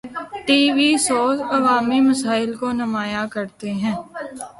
T V shows عوامی مسائل کو نمایاں کرتے ہیں۔